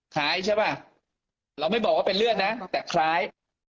คล้ายใช่ป่ะเราไม่บอกว่าเป็นเลือดนะแต่คล้าย